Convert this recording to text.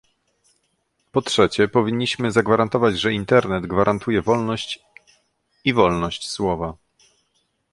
Po trzecie, powinniśmy zagwarantować, że Internet gwarantuje wolność i wolność słowa